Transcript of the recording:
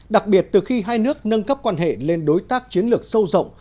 đặc biệt từ khi hai nước nâng cấp quan hệ lên đối tác chiến lược sâu rộng